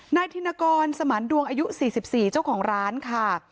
ธินกรสมันดวงอายุ๔๔เจ้าของร้านค่ะ